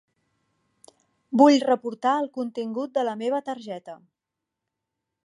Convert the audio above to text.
Vull reportar el contingut de la meva targeta.